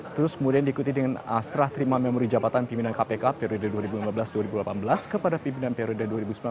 terus kemudian diikuti dengan serah terima memori jabatan pimpinan kpk periode dua ribu lima belas dua ribu delapan belas kepada pimpinan periode dua ribu sembilan belas dua ribu dua puluh